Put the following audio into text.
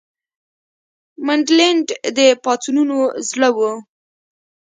منډلینډ د پاڅونونو زړه وو.